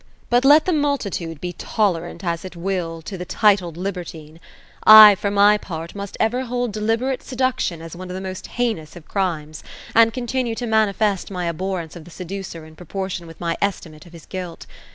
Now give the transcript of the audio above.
But let the multitude be tolerant as it will to the THE ROSE OF ELSINOUE. 253 titled libertine, I, for my part, must ever bold deliberate seduction as one of the most heinous of crimes, and continue to manifest my abhor rence of the seducer in proportion with my estimate of his guilt.